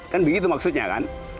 kan begitu maksudnya kan